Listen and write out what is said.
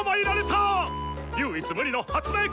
唯一無二の発明家！